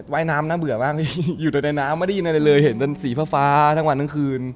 ว่ายน้ำน่าเบื่อบ้างพี่อยู่ในน้ำไม่ได้ยินอะไรเลยเห็นเป็นสีฟ้าทั้งวันทั้งคืน